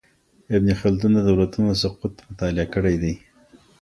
ابن خلدون د دولتونو سقوط مطالعه کړی دی.